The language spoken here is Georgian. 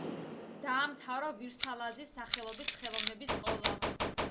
დაამთავრა ვირსალაძის სახელობის ხელოვნების სკოლა.